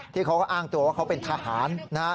เขาก็อ้างตัวว่าเขาเป็นทหารนะฮะ